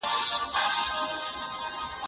ماشومان د خوړو له ناروغۍ اغېزمنېږي.